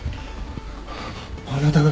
あなた方。